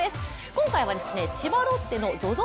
今回は千葉ロッテのＺＯＺＯ